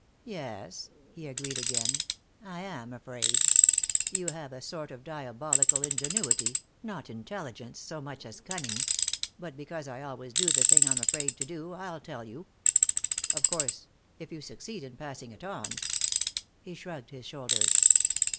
"Yes," he agreed again. "I am afraid. You have a sort of diabolical ingenuity, not intelligence so much as cunning. But because I always do the thing I'm afraid to do, I'll tell you. Of course, if you succeed in passing it on " He shrugged his shoulders.